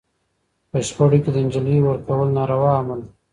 په شخړو کي د نجلۍ ورکول ناروا عمل دی